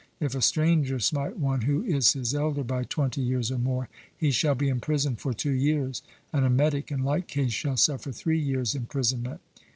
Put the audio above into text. If a stranger smite one who is his elder by twenty years or more, he shall be imprisoned for two years, and a metic, in like case, shall suffer three years' imprisonment.